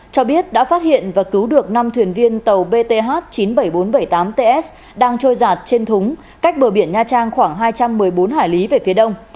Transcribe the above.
cho biết đã phát hiện và cứu được năm thuyền viên tàu bth chín mươi bảy nghìn bốn trăm bảy mươi tám ts đang trôi giạt trên thúng cách bờ biển nha trang khoảng hai trăm một mươi bốn hải lý về phía đông